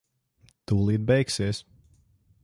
Tūlīt beigsies.